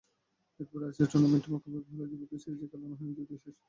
এরপর আইসিসির টুর্নামেন্টগুলোয় মুখোমুখি হলেও দ্বিপক্ষীয় সিরিজে খেলা হয়নি দুই দেশের।